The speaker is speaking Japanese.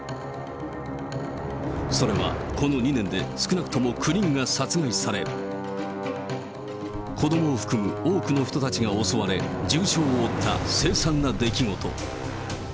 それはこの２年で少なくとも９人が殺害され、子どもを含む多くの人たちが襲われ、重傷を負った凄惨な出来事。